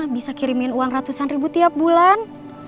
bisa kirimin uang ratusan ribu tiap bulan